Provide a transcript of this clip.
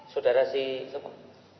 saudara si siapa